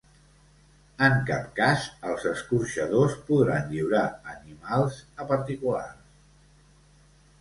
En cap cas, els escorxadors podran lliurar animals a particulars.